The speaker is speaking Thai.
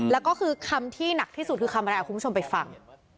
แล้วก็คือคำที่หนักที่สุดคือคำอะไรเอาคุณผู้ชมไปฟัง